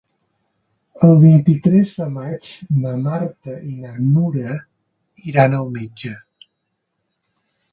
El vint-i-tres de maig na Marta i na Nura iran al metge.